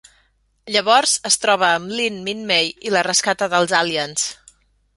Llavors es troba amb Lynn Minmay i la rescata dels aliens.